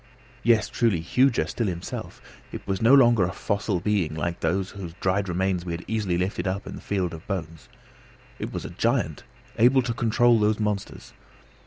Yes, truly, huger still himself. It was no longer a fossil being like him whose dried remains we had easily lifted up in the field of bones; it was a giant, able to control those monsters.